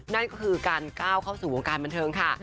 นั่นก็คือการก้าวเข้าสู่วงการบันเทิงค่ะ